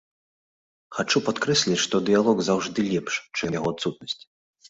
Хачу падкрэсліць, што дыялог заўжды лепш, чым яго адсутнасць.